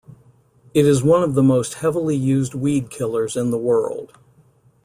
It is one of the most heavily used weedkillers in the world.